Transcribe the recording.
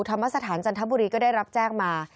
ธรรมสถานจันทบุรีก็ได้รับแจ้งมา